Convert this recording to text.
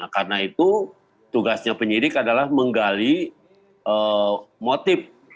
karena itu tugasnya penyidik adalah menggali motif